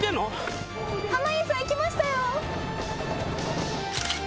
濱家さん行きましたよ。